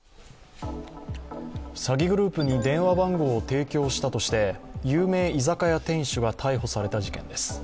詐欺グループに電話番号を提供したとして有名居酒屋店主が逮捕され事件です。